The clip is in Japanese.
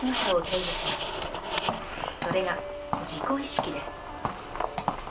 それが「自己意識」です。